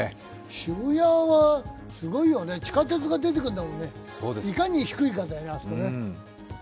渋谷はすごいよね、地下鉄が出てくるんだもんね、いかに低いかだよね、あそこね。